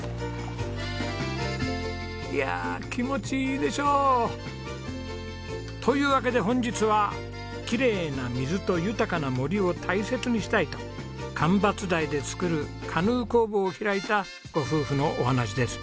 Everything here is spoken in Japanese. いや気持ちいいでしょう！というわけで本日はきれいな水と豊かな森を大切にしたいと間伐材で作るカヌー工房を開いたご夫婦のお話です。